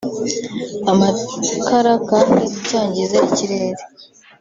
amakara kandi nticyangize ikirere